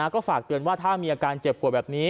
ก็ฝากเตือนว่าถ้ามีอาการเจ็บปวดแบบนี้